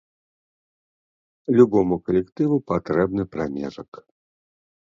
Любому калектыву патрэбны прамежак.